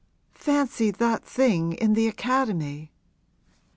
Fancy that thing in the Academy!'